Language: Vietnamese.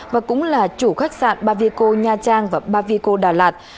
và cũng là chủ khách sạn bavico nha trang và bavico đà lạt